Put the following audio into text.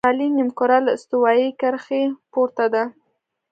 شمالي نیمهکره له استوایي کرښې پورته ده.